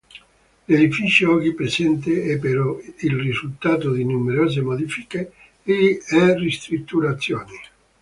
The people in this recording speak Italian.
L'edificio oggi presente, è però il risultato di numerose modifiche e ristrutturazioni.